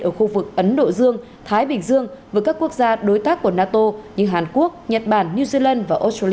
ở khu vực ấn độ dương thái bình dương với các quốc gia đối tác của nato như hàn quốc nhật bản new zealand và australia